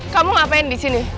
kamu ngapain disini